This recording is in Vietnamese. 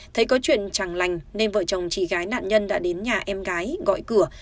thấy có chuyện chẳng lành nên vợ chồng chị gái nạn nhân đã đến nhà em gái gọi cửa